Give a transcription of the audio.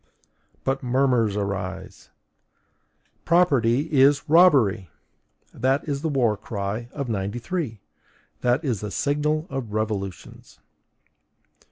But murmurs arise! PROPERTY IS ROBBERY! That is the war cry of '93! That is the signal of revolutions!